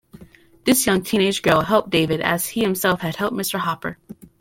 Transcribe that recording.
This young teenage girl helped David as he himself had helped Mr. Hooper.